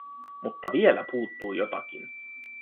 Mutta vielä puuttuu jotakin.